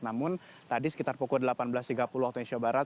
namun tadi sekitar pukul delapan belas tiga puluh waktu indonesia barat